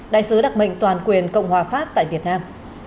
đại sứ đặc mệnh toàn quyền cộng hòa pháp tại việt nam